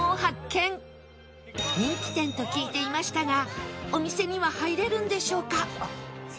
人気店と聞いていましたがお店には入れるんでしょうか？